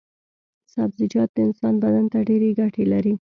سبزيجات د انسان بدن ته ډېرې ګټې لري.